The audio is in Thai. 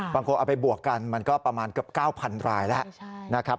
บางคนเอาไปบวกกันมันก็ประมาณเกือบ๙๐๐รายแล้วนะครับ